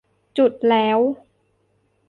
จุดแล้ว